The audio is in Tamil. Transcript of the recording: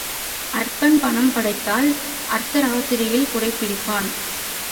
அற்பன் பணம் படைத்தால் அர்த்த ராத்திரியில் குடை பிடிப்பான்.